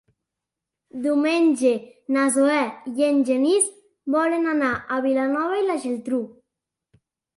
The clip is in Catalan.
Diumenge na Zoè i en Genís volen anar a Vilanova i la Geltrú.